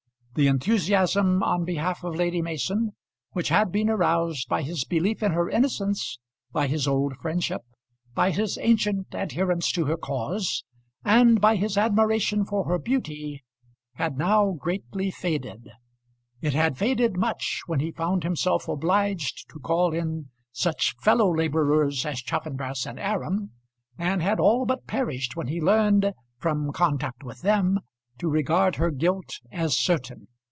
The enthusiasm on behalf of Lady Mason, which had been aroused by his belief in her innocence, by his old friendship, by his ancient adherence to her cause, and by his admiration for her beauty, had now greatly faded. It had faded much when he found himself obliged to call in such fellow labourers as Chaffanbrass and Aram, and had all but perished when he learned from contact with them to regard her guilt as certain.